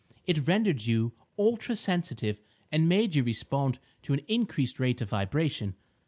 It rendered you ultra sensitive and made you respond to an increased rate of vibration.